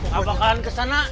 gak bakalan kesana